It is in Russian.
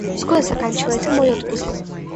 Скоро заканчивается мой отпуск.